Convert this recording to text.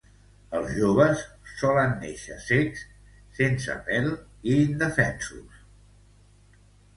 Els joves solen néixer cec, sense pèl, i indefens.